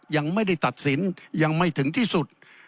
ยังไม่ได้ตัดสินยังไม่ถึงที่สุด